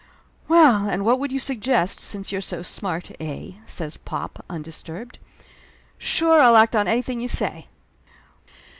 "Well, and what would you suggest, since you're so smart, eh?" says pop, undisturbed. "Sure, I'll act on anything you say